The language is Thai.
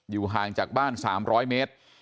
ห่างจากบ้าน๓๐๐เมตร